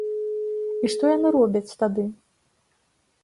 І што яны робяць тады?